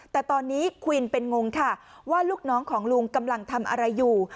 แต่ตอนนี้ควีนเป็นงงค่ะว่าลูกน้องของลุงกำลังทำอะไรอยู่